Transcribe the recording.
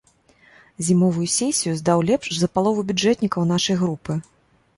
Зімовую сесію здаў лепш за палову бюджэтнікаў нашай групы.